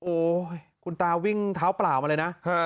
โอ้โหคุณตาวิ่งเท้าเปล่ามาเลยนะ